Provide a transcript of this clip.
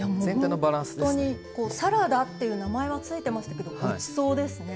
もうほんとに「サラダ」っていう名前は付いてましたけどごちそうですね。